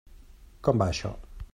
Com va això?